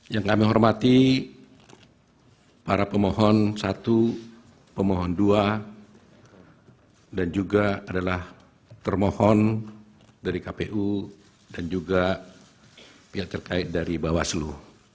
yang kami hormati para pemohon satu pemohon dua dan juga adalah termohon dari kpu dan juga pihak terkait dari bawaslu